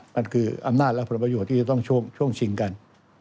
มันคืออำนาจและผลประโยชน์ที่จะต้องช่วงชิงกัน